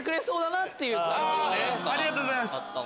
ありがとうございます。